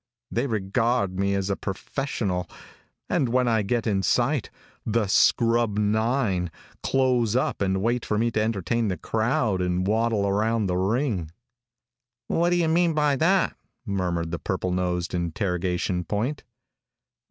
They regard me as a professional, and when I get in sight the 'scrub nine' close up and wait for me to entertain the crowd and waddle around the ring." "What do you mean by that?" murmured the purple nosed interrogation point.